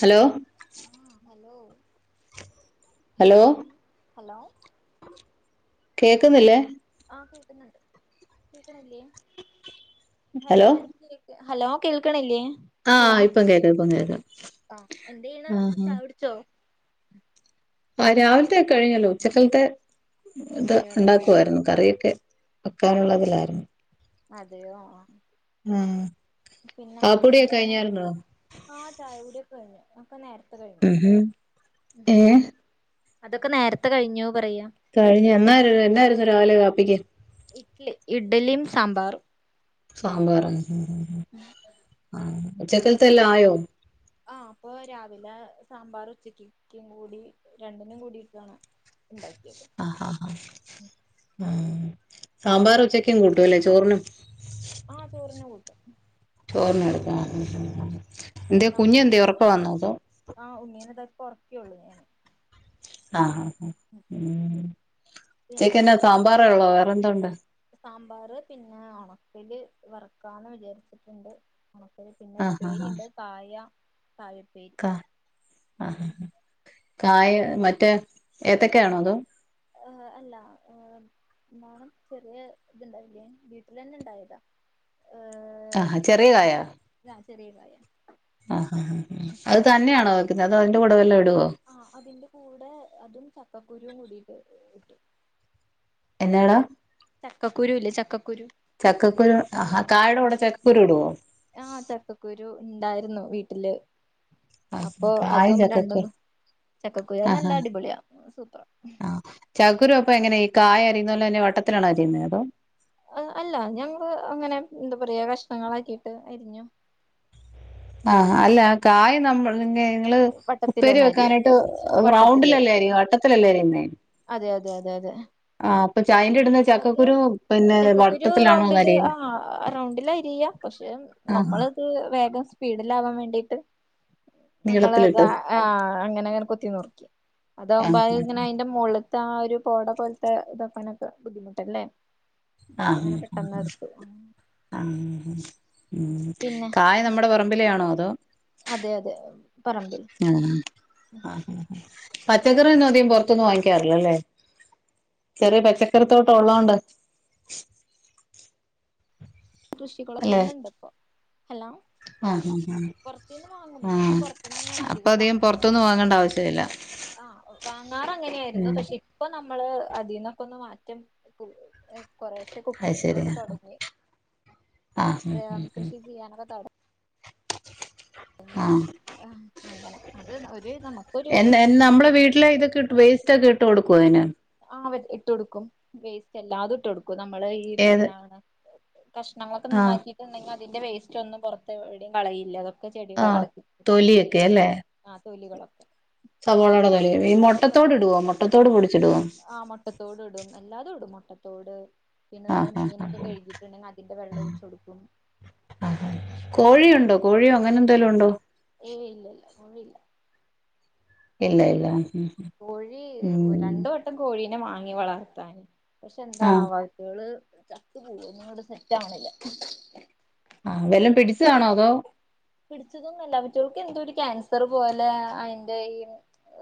Hello ആഹ് hello hello എന്തേയ്ന് hello കേക്ക്ന്നില്ലേ കേക്ക്ന്ന്ണ്ട് കേക്ക്ണില്ലേ ഹലോ തനിക്ക് കേക്ക് ഹലോ കേൾക്ണില്ലേ ആഹ് ഇപ്പം കേക്കാ ഇപ്പം കേക്കാ ആഹ് എന്തെയ്യ്ണ് ആഹ് ചായ കുടിച്ചോ ആഹ് രാവിലത്തെ കഴിഞ്ഞല്ലോ ഉച്ചക്കൽത്തെ ഇത് ചായുടി ഉണ്ടാക്കുവായിരുന്നു കറി്യൊക്കെ എ അതെ വെക്കാനുള്ളതിലായിരുന്നു അതെയോ ആഹ് ആഹ് പിന്നെ കാപ്പികുടിയൊക്കെ എന്താണ് കഴിഞ്ഞാരുന്നോ? ഇപ്പൊ നേരത്തെ കഴിഞ്ഞു ഏഹ് അതൊക്കെ നേരത്തെ കഴിഞ്ഞു പറയാ കഴിഞ് എന്നായിര് എന്നായിരുന്നു രാവിലെ കാപ് പ്പിക്ക് ഇഡ്ലി ഇഡലിം സാമ്പാറും സാമ്പാറാ മ് മ് മ് ആ ഉച്ചക്കൽത്തെല്ലായോ? ആഹ് അപ്പൊ രാവിലെ സാമ്പാർ ഉച്ചക്ക്ക്കും കൂടി രണ്ടിനും കൂടിയിട്ടാണ്. ഉണ്ടാക്കിയത് ആ ഹാ ഹാ ഇം സാമ്പാർ ഉച്ചക്കും കൂട്ടുല്ലേ ചോറിനും ആ ചോറിനു കൂട്ടും ആ എന്തിയെ കുഞ്ഞേന്തേ അപ്പഴത്തേക്ക് ഉറക്കം ആണോ അതോ ഇപ്പൊ ഒറക്കിയുള്ളു ഞാൻ ആ പിന്നെ ഉച്ചക്കന്നെ സാമ്പാറേ ഉള്ളോ വേ വേറെന്തോ ഉണ്ട് സാമ്പാറ് പിന്നെ ഒണക്കില് വറക്കാന്ന് വിചാരിച്ചിട്ടിണ്ട് ഒണ പിന്നെ ആഹ് ആഹ് ആഹ് ഉപ്പേരിണ്ട് കായ താഴെപ്പേരി കാ ആഹ് കായ മറ്റേ ഏത്തക്കയാണോ അതോ ആ അല്ല ആ [unintelligible] ചെറിയ ഇത്ണ്ടായില്ലേ വീട്ടിൽ തന്നെ ഇണ്ടായതാ ആ ചെറിയ ഏഹ് കായാ ആഹ് ചെറിയ കായ ആ അത് തന്നെയാണോ വെക് അതോ അതിന്റെ കൂടെ വല്ലതും ഇട ആ അതിന്റെ കൂടെ അതും ചക്കക്കുരു രും കൂടിട്ട് ഇടും എന്നാട ചക്കക്കുരു ഇല്ലേ ചക്കക്കുരു ചക്കക്കുരു ആഹാ കായുടെ കൂടെ ചക്കക്കുരു ഇടുവോ ആ ചക്കക്കുരു ഇണ്ടായിര് രുന്നു വീട്ടില് ആ അപ്പൊ കായും അതും രണ്ടും ചക്കക്കുരു ചക്കക്കുരു ആ അത് ഹാ നല്ല അടിപൊളിയാ സൂപ്പറ ചക്കുരു അപ്പം എങ്ങനെ കായ [unintelligible] വട്ടത്തിലാണോ അരിയുന്നത് അതോ അ അല്ല ഞങ്ങള് അങ്ങനെ എന്താ പറയാ കഷ്ണങ്ങളാക്കിട്ട് അരിഞ്ഞു ആ അല്ല കായ നമ്മൾ നിങ്ങള് ഉപ്പേരി വട്ടത്തിലന്നെ അരിയ വെക്കാനായിട്ട് വട്ടത്തില് റൗണ്ട്ലല്ലെഅരിയുവാ വട്ടത്തിലല്ലേ അരിയുന്നേ അതെ അതെ അതെ അതെ ആ അപ്പൊ ചായന്റെ ഇടുന്ന അത് ചക്കക്കുരു പിന്നെ ചക്കക്കുരു വട്ടത്തിലാണോന്ന് റൗണ്ടില് ആ അരിയുന്നെ റൗണ്ടില് അരിയ ആഹാ പിടിലാവാൻ വേണ്ടിട്ട് നീളത്തിലിട്ട് നമ്മളതാ ആ അങ്ങനെ അങ്ങനെ കൊത്തി നുർക്കി അതകുമ്പോ അ ആഹ് ഇങ്ങനെ അതിന്റെ മുള ത്താ ഒരു പോട പോലത്തെ ഇതാക്കാനൊക്കെ ബുദ്ധിമുട്ടല്ലേ അപ്പൊ ആഹ് അങ്ങനെ പെട്ടെന്ന് ആഹ് എടുത്തു ആഹ് ഉം പിന്നെ കായ് നമ്മുടെ പറമ്പിലെ ആണോ അതോ? അതെ അതെ പറമ്പിൽ ആ ആ പച്ചക്കറിന്നും അധികം പുറതൂന്ന് വാങ്ങിക്കാറില്ലല്ലേ ചെറിയ പച്ചക്കറിത്തോട്ടം ഉള്ളതോണ്ട് കൃഷി കള് ചെയ്യുന്നുണ്ട്പ്പോ ഹലോ ആഹ് ആഹ് പുറത്തുന്ന് വാങ്ങും ഞങ്ങൾ ആഹ് പുറത്തുന്ന് തന്നെയാണ് അപ്പൊ അധികം വാങ്ങാറ് പുറത്തൊന്നും വാങ്ങേണ്ട ആവശ്യമില്ല ആ വാങ്ങാറ് അങ്ങനെയായിരുന്നു ഉം പക്ഷെ ഇപ്പൊ ന ള് അതിൽന്നൊക്കെ ഒന്ന് മാറ്റം [unintelligible] കുറേശെ അത് കുക്കിംഗ് ശരി ഇതൊക്കെ തുടങ്ങി ആഹ് കൃഷി ചെയ്യാനൊക്കെ തൊട ആ അങ്ങനെ അത് ഒരു നമുക്കൊരു എൻ എൻ നമ്മള വീട്ടില ഇതൊക്കെ വേസ്റ്റ്ഒക്കെ ഇട്ട്കൊടുക്കും അതിന് ആ ഇട്ട് കൊടുക്കും വേസ്റ്റ് അല്ലാതെ ഇട്ട് കൊടുക്കും നമ്മള ഈ ഏത് പ്രശ്നങ്ങളൊക്കെ ആഹ് നന്നാക്കിട്ട്ണ്ടെങ്കിൽ അതിന്റെ വേസ്റ്റ് ഒന്നും പുറത്തെ എവിടെയും കളയില്ല ആ ചെടിയുടെ തൊലിയൊക്കെ അല്ലേ? തൊലികള് സവാളോടെ തൊലികള് ഈ മുട്ടത്തോട് ഇടുവോ മൊ ട്ടത്തോട് പൊ ആ മുട്ടത്തോട് ഇടും എല്ലാതും ഇടും ട്ടത്തോട് ആ ആ അതിന്റെ വെള്ളം ഒഴിച്ചു കൊടുക്കും ആ കോഴിയുണ്ടോ കോഴിയോ അങ്ങനെ എന്തെലും ഉണ്ടോ? ഏയ് ഇല്ലല്ല മുഴുവില്ല ഇല്ല ഇല്ല ഉം കോഴി ഉം രണ്ട് വട്ടം കോഴി നെ വാങ്ങി വളർത്താന് പക്ഷെ ആഹ് എന്താണാവോ അത്കള് ചത്ത് പോവ്വ ഇവിടെ സെറ്റ് ആവണില്ല ആ വെല്ലം പിടിച്ചതാണോ അതോ പിടിച്ചതൊന്നുമല്ല അവറ്റകൾക്ക് എന്തോ ഒരു ക്യാൻസർ പോലെ അയിന്റെ ഈ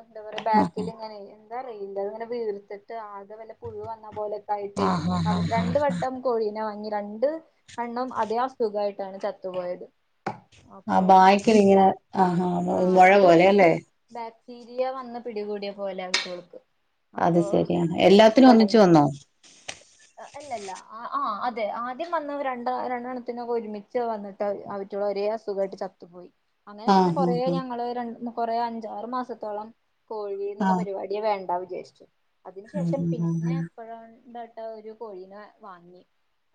എന്താ പറയാ ആഹ് ബാക്കിൽ ഇങ്ങനെ അതറിയില്ല ഇങ്ങനെ വീർത്തിട്ട് ആകെ വല്ല പുഴു വന്ന പോലെ ട്ടെ ആഹ് ആഹ് ആഹ് ആഹ് രണ്ട് വട്ടം കോഴീനെ വാങ്ങി രണ്ട് എണ്ണം അതേ അസുഖായിട്ടാണ് ചത്തുപോയത് ആ അപ്പൊ ബായ്ക്കിലിങ്ങനെ ആ ഹ ആ മൊഴ എന്തൊരു പോലെയല്ലേ ബാക്ടീരിയ വന്ന് പിടികൂടിയ പോലാ അവറ്റ കൾക്ക് അത് അപ്പൊ ശരിയാണ് എല്ലാത്തിനും ഒരുട ഒന്നിച്ചു വന്നോ അല്ലല്ല ആ അത് അത ആദ്യം വന്നതെ രണ്ട രണ്ടെണ്ണത്തിനൊക്കെ ഒരുമിച്ച് വന്നിട്ട് അവറ്റകളെ ഒരേ അസുഖമായിട്ട് ചത്തുപോയി അങ്ങനെ പിന്നെ ആഹ് കുറേ ഞങ്ങള് രണ്ട്‌ കുറേ അഞ്ചാറ് മാസത്തോളം കോഴി ആഹ് എന്നുള്ള ആഹ് പരിപാടിയെ വേണ്ടാവ ച്ച് അതിന് ശേഷം ആഹ് പിന്നെ ഇപ്പോഴണ്ട്‌ ഒരു കോഴീനെ വാങ്ങി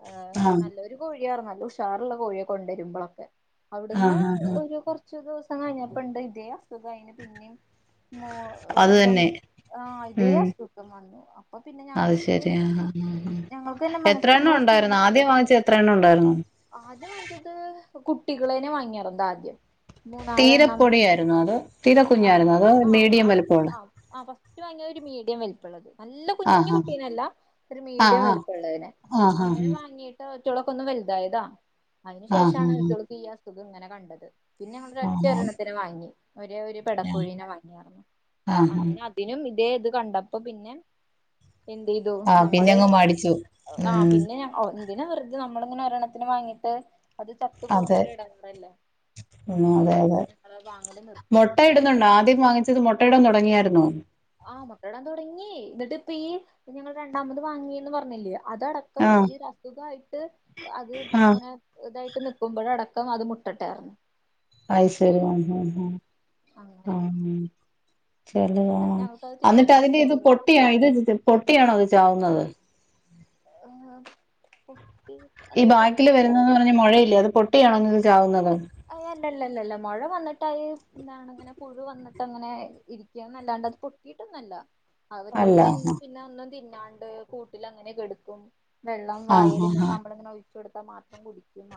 ആ ആഹ് ആഹ് നല്ലൊരു കോഴി നല്ല ഉഷാറുള്ള കോഴിയെ കൊണ്ടൊരുമ്പളൊക്കെ അവിടുന്ന് ആഹ് ആഹ് ആഹ് ഒരു കൊറച്ച് ചോ [unintelligible] കഴിഞ്ഞപ്പ ഉണ്ട് ഇതേ അതെ കഴിഞ്ഞെ പിന്നേം അത് തന്നെ ഇതേ ഉം അസുഖം വന്നു അപ്പൊ പിന്നെ അത് ഞങ്ങക്ക് ശരി ആ ആ ആ ഞങ്ങൾക്ക് തന്നെ എത്ര മനസ്സ് എണ്ണം നമ്മൾ ഉണ്ടായിരുന്നു ആദ്യം സ്നേഹിച്ചി വാങ്ങിച്ച എത്ര എണ്ണം ഉണ്ടായിരുന്നു ആദ്യം വാങ്ങിച്ചത് കുട്ടികളേനെ വാങ്ങിയറന്താദ്യം തീരപ്പൊടിയായിരുന്നോ അതെ തീര ആ കുഞ്ഞായിരുന്നോ അതോ മീഡിയം വലുപ്പമുള്ളെ ആദ്യംവാങ്ങിയതൊരു മീഡിയം വലപ്പുള്ളത് നല്ല കുഞ്ഞു ആഹ് കുട്ടീനല്ല ഒരു മീഡിയം ആഹ് വലുപ്പംമു ള്ളതിന് ആഹ് അങ്ങനെ വാങ്ങിയിട്ട് ഒര് കുട്ടികളൊക്കൊന്നു വലുതായതാ അതിനു ആഹ് ആഹ് ശേഷമാണ് അയിറ്റോൾക്ക് ഈ അസുഖം ഇതിങ്ങനെ കണ്ടത് ആഹ് ആഹ് ഒരൊറ്റൊരെണ്ണത്തിനെ വാങ്ങി ഒരേ ഒരു ആഹ് പെടക്കോഴീനെ വാങ്ങി യന്നു ആഹ് ആഹ് അങ്ങനതിനും തെ ഇത് കണ്ടപ്പോ പിന്നെ എന്ത്യ്തു ആഹ് ഞങ്ങള് പിന്നെങ്ങ് മടിച്ചു ആ ഉം പിന്നെ ഒ ന്തിനാ വെറുതെ നമ്മളിങ്ങനെ ഒരെണ്ണത്തിന് വാങ്ങീട്ട് അത് ചത്തു പോകുമ്പോ അതെ ഒരു ഇടങ്ങാറല്ലേ ആ ഉം അതെ അതെ മുട്ട ഇടുന്നുണ്ട ആദ്യം വാങ്ങിച്ചത് മു ട്ടടം തുടങ്ങിയാരുന്നോ ആ മുട്ട ഇടാൻ തുടങ്ങി എന്നിട്ട് ഇപ്പ ഈ ഞങ്ങളെ രണ്ടാമത് വാങ്ങിയന്ന് പറഞ്ഞിലിയ അതടക്കം ആഹ് ഈ ഒരസുഖമായിട്ട് അത് ആഹ് ഇങ്ങനെ ഇതായിട്ട് നി ക്കുമ്പോഴടക്കം [unintelligible] അത് മുട്ടട്ടറുന് അയ്ശേരി ഉം ഉം ഉം അങ്ങനെ ഉം ചില എന്നിട്ട് ആഹ് ഞങ്ങൾക്കത് അന്നിട്ട് തിന്നാനൊക്കെ അതിന്റെ ഇത് മടിയാ പൊട്ടിയാ ഇത് പൊട്ടിയാണോ നാവുന്നത് ആഹ് കു ഈ ബാക്കില് വരുന്നെന്ന് പറഞ്ഞ മുഴയില്ലേ അത് പൊട്ടിയണോ ചാവുന്നത് അല്ലല്ലല്ലല്ല [unintelligible] എന്താണ് ഇങ്ങനെ പുഴു വന്നിട്ട് അങ്ങനെ ഇരിക്കുകന്നല്ലാണ്ട് അത് പൊട്ടിയിട്ടോന്നല്ല അതൊക്കെ ഓൾ അല്ല തി പിന്നെ ഒന്നും തി ആണ്ട് കൂട്ടിൽ അങ്ങനെ കിട ക്കും വെള്ളം ആ വായേല് ഇങ്ങനെ ആ നമ്മൾ ഇങ്ങനെ ഒഴി കൊടുത്തൽ മാത്രം കുടിക്കും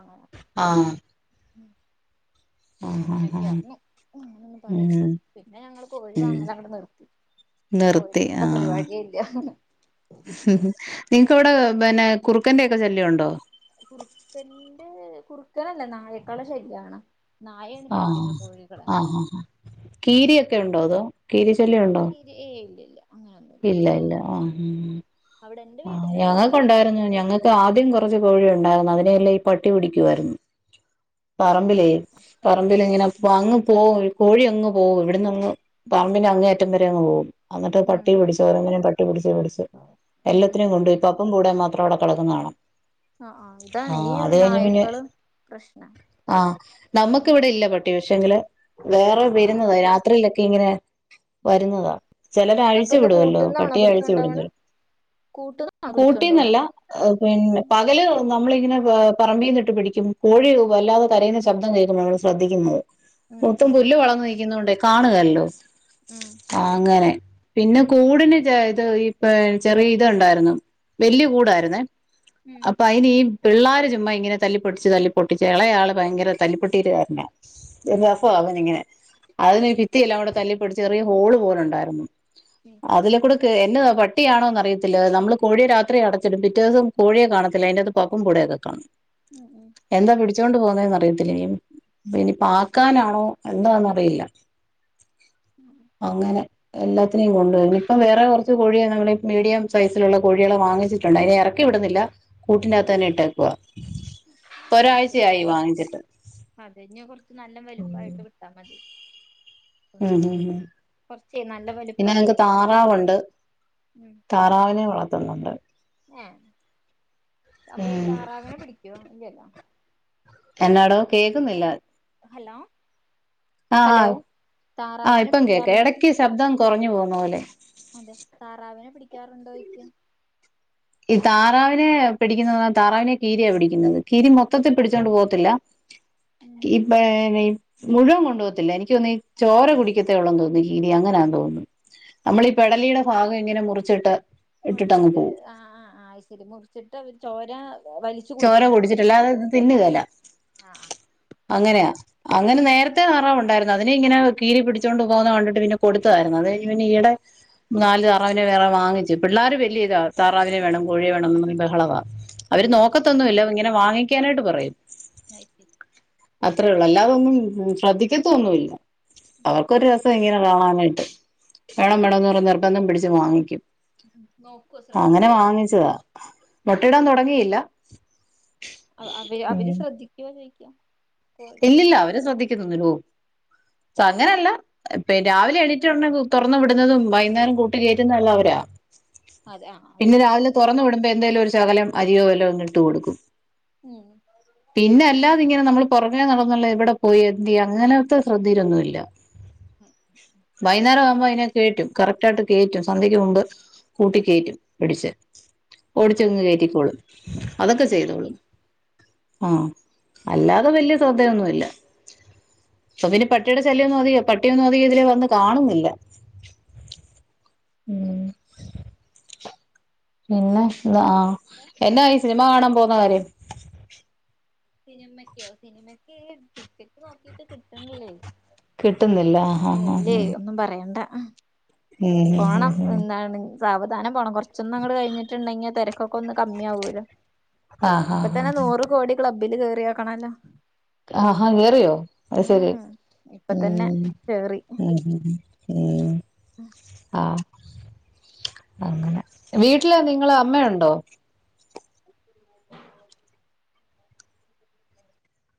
ആഹ് ഉം അങ്ങനെയൊക്കെ അറിഞ്ഞു അങ്ങനൊനിന്നും പറയണ്ട ഉം പിന്നെ ഞങ്ങള് കോഴി വാങ്ങല് അങ്ങട് നിർത്തി ഇപ്പൊ നിർത്തി ആ കോഴിന്നുള്ള പരിപാടിയെ ഇല്ല നിങ്ങക്ക് അവിടെ ബെന്നെ കുറുക്കന്റെ ഒക്കെ ശല്യവുണ്ടോ കുറുക്കന്റെ കുറുക്കനല്ലാ നായക്കള ശല്ല്യണ് ആഹ് ആഹ് ആഹ് കിരിയൊക്കെ ഉണ്ടോ അതോ കീരി ശല്യം ഉണ്ടോ ഇല്ല ഇല്ല ഇല്ല അങ്ങനൊന്നുമില്ല ഇല്ല ഇല്ല ആഹ് ഉം അവിടെ എന്റെ ആ വീട്ടിലുണ്ട് ഞങ്ങൾക്ക് കേട്ടോ ഉണ്ടായിരുന്നു ഞങ്ങൾക്ക് ആദ്യം കുറച്ച് കോഴിയു ഉണ്ടാരുന്നു അതിനെയല്ലാം ഈ പട്ടി പിടിക്കുവാരുന്നു പറമ്പിലേ പറമ്പിൽ ഇങ്ങനെ അങ്ങ് പോവും കോഴി അങ് പോവും ഇവിടുന്ന് അങ് പറമ്പിന്റെ അങ്ങേ അറ്റം വരെ അങ് പോവും അന്നട്ട് ഉം പട്ടി പിടിച്ച് ഒരെന്നിനെ പട്ടി ട്ടി പിടിച്ച് ഉം ഉം എല്ലത്തിനേം കൊണ്ട് ഇപ്പപ്പം [unintelligible] കൂടെ മാത്രവിടെ കിടക്കുന്ന കാണാം ആ ആ ഇതാണ് ഈ അത് കഴിഞ്ഞ് പിന്നെ നായ്ക്കള് പ്രശ്നം ആ നമ്മക്കിവിടെ ഇല്ല പട്ടി പക്ഷെങ്കില് വേറെ വരുന്നത രാത്രിയിലൊക്കെ ഇതിങ്ങനെ വരുന്നതാ ചെലര് അപ്പൊ അഴിച്ചു എന്താ വിടുവല്ലോ കൂട്ടുന്നാണോ പട്ടിയെ അഴിച്ചു വിടും പിടിച്ചോണ്ടോവണ് ചിലർ ആ പിടിച്ചോണ്ടോണ് കൂട്ടീന്നല്ല ഹ് പിന്നെ പകല് നമ്മളി ഇതിങ്ങനെ ഹ് പറമ്പിന്നിട്ട് പിടിക്കും കോഴി കൂവു അല്ലാതെ കരയുന്ന ശബ്ദം കേൾക്കുമ്പ നമ്മൾ ശ്രദ്ധിക്കുന്നത് ഉം മൊത്തും ഉം പുല്ല് വളന്നു നിൽക്കുന്നൊണ്ടെ കാണുകല്ലോ സ് ഉം ആ അങ്ങനെ പിന്നെ കൂടിന് ജ് ത് ഇപ്പ ചെറി ഇത് ഒണ്ടായിരുന്നു വല്യ കൂടായിരുന്നേ ഉം അപ്പൊ അയിനി പിള്ളാര് ചുമ്മാ ഇങ്ങനെ തല്ലിപ്പൊട്ടിച്ച് തല്ലിപ്പൊട്ടിച്ച് ഇളയാള് ഭയങ്കര തല്ലിപ്പൊട്ടീരുകാരനാ ഉം [unintelligible] അവനിങ്ങനെ അതിനീ ഭിത്തിയെല്ലാം കൂടെ തല്ലി ഒരു ചെറിയ ഹോള് പോലണ്ടായിരുന്നു ഉം അതിലെ കൂട് ക്ക് എന്നതാ പട്ടിയാണോന്നറിയ ത്തില്ല നമ്മള് കോഴിയെ രാത്രി അടച്ചിടും പിറ്റേ ദിവസം കോഴിയെ കാണത്തില്ല അതിന്റകത്ത് പപ്പും പൂടയൊക്കെ കാണും ഉം ഉം ച്ചോണ്ട് പോകുന്നേന്ന് അറിയത്തില്ല ഇനി ഇനി പാക്കാനാണോ എന്താന്നറിയില്ല അങ്ങനെ എല്ലാത്തിനേയും കൊണ്ട് പോയി ഇപ്പം വേറെ കൊറച്ച് കോഴിയെ മീഡിയം സൈസിലുള്ള കോഴികളെ വാങ്ങിച്ചിട്ടുണ്ട് അയിനെ ഇറ ക്കി വിടുന്നില്ല ഉം കൂട്ടിനകത്ത് തന്നെ ഇട്ടേക്കുവാ പ്പോ അത് ശരി ഒരാഴ്ചയായി വാങ്ങിച്ചിട്ട് അത് ഇനി കുറച്ച് നല്ല ഉം വലുപ്പായിട്ട് വിട്ടാ മതി ഉം ഉം ഉ കൊറച്ചേ നല്ല പിന്നെ ഞങ് ക്ക് വലുപ്പായിട്ടേ താറാവുണ്ട് ഉം താറാവിനെ വളത്തുന്നുണ്ട് ആ അപ്പൊ ഈ ഉം താറാവിനെ പിടിക്കോ ഇല്ലല്ല എന്നാടോ കേക്കുന്നില്ല ഹലോ ആ ആ ഹലോ ആ താറാവിനെ ഇപ്പം കേക്ക പിടിക്കാറുണ്ട് എടക്ക് ശബ്ദം കുറഞ്ഞു പോന്ന പോലെ ക്കാറുണ്ടോയ്ക്കാ ഈ താറാവിനെ പിടിക്കുന്ന താറാവിനെ കീരിയാ പിടിക്കുന്നത് കീരി മൊത്തത്തി പിടിച്ചോണ്ട് പോകത്തില്ല ഉം ഇപ്പ എങ്ങനെ മുഴുവൻ കൊണ്ടുപോകത്തില്ല എനിക്ക് തോന്നുന്ന ചോര കുടിക്കത്തേ ഒള്ളുന്ന് തോന്നുന്നു കീരി അങ്ങനെയാന്ന് തോന്നുന്നു നമ്മളീ അത് ശരി. പെടലിടെ ഭാഗം ഇങ്ങനെ മുറിച്ചിട്ട് ഇട്ടിട്ട് അങ്ങ് മുറിച്ചിട്ട് പോകും ആഹ് ആഹ് ആ ശരി മുറിച്ചിട്ട് അവര് ചോര വലിച്ചു ചോര കുടിക്കുന്നുണ്ടോ കുടിച്ചിടല്ലാതെ അത് തിന്നുകേല ആഹ് അങ്ങനെയ അങ്ങനെ നേരത്തെ താറാവ് ഉണ്ടായിരുന്നു അതിനെ ഇങ്ങനെ കീരി പിടിച്ചോണ്ട് പോവുന്ന കണ്ടിട്ട് പിന്നെ കൊടുത്തതായിരുന്നു അത് കഴിഞ്ഞ് പിന്നെ ഈയിടെ നാല് താറാവിനെ വേറെ വാങ്ങിച്ച് പിള്ളാര് വലിയ ഇതാ താറാവിനെ വേണം കോഴിയെ വേണംന്ന് പറഞ്ഞ് ബഹളവാ. അവര് നോ അത് ക്കത്തൊന്നുല്ല ഇങ്ങനെ വാങ്ങി ക്കാനായിട്ട് പറയും ഏയ് അത്രേ ഒള്ളൂ അല്ലാതൊന്നും ഉം ശ്രദ്ധിക്കത്തൊന്നുമില്ല അവർക്കൊരു ഇപ്പോ ഇങ്ങനെ കാണാനായിട്ട് വേണം വേണംന്ന് പറഞ്ഞ് നിർബന്ധം പിടിച്ച് വാങ്ങിക്കും നോക്കുവോ അങ്ങനെ ശ്രദ്ധിക്കുവോ വാങ്ങിച്ചതാ മൊട്ടയിടാൻ തുടങ്ങിയില്ല അ അവര് അവര് ഉം ശ്രദ്ധിക്കുക ചെയ്യും ഇല്ലില്ല അവര് ശ്രദ്ധിക്കുന്നൊന്നുല്ല ഓ സ അങ്ങനെയല്ല ഇപ്പ രാവിലെ എണീറ്റ് ഉടനെ അങ്ങ് തൊറന്നു വിടുന്നതും വൈകുന്നേരം കൂട്ടി കേറ്റുന്നതുമെല്ലാം അവരാ അതെ ആഹ് അത് പിന്നെ മതി രാവിലെ തൊറന്ന് വിടു ഇപ്പൊ എന്തേലും ഒരു ശകലം അരിയോ വല്ലോം അങ്ങ് ഇട്ട് കൊടുക്കും ഉം പിന്നെല്ല പിന്നേണ നമ്മളും പൊറമേ നടന്നുള്ള എവിടെ പോയി എന്ത്യേ അങ്ങനത്തെ ശ്രദ്ധീരൊന്നുല്ല വൈകുന്നേരം ആവുമ്പ ഞാൻ കേറ്റും കറക്റ്റ് ആയിട്ട് കേറ്റും സന്ധ്യയ്ക്ക് മുൻപ് കൂട്ടി കേറ്റും പിടിച്ച് ഓടിച്ചങ്ങ് അതെ കേറ്റിക്കോളും അതൊക്കെ എന്നാലും മതി ചെയ്തോളും ആ അല്ലാ ഇപ്പ വല്യ ശ്രദ്ധയൊന്നുല്ല അപ്പൊ പിന്നെ പട്ടിയുടെ ശല്യഒന്നും അധികം പട്ടിയൊന്നും അധിക ഇതിലെ വന്ന് കാണുന്നില്ല ഊം പിന്നെ ആ എന്നാ അയച്ച അമ്മ കാണാൻ പോകുന്ന കാര്യം സിനിമയ്ക്കോ സിനിമക്ക് ടിക്കറ്റ് നോക്കിട്ട് കിട്ടണില്ലേ കിട്ടുന്നില്ല ആഹാഹാഹ് മ് ആ ഉം സാവധാനം പോണം കൊറച്ചൊന്നങ്ങട് കഴിഞ്ഞിട്ടുണ്ടെങ്കി തിരക്കൊക്ക ഒന്ന് കമ്മി ആവൂല്ലോ ആഹാ ഹാ ഹാ ക്ലബ്ബില് കേറിയോക്കണല്ലോ ആഹാ കേയറിയോ അത് ശരി ഇപ്പൊ തന്നെ ഉം ഉം ഉം ഉം [unintelligible] [inaudible]